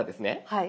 はい。